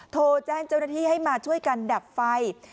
โทรแจ้งเจ้าหน้าที่ให้มาช่วยกันดับไฟ